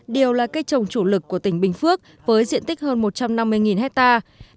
điều là cây trồng chủ lực của tỉnh bình phước với diện tích hơn một trăm năm mươi hectare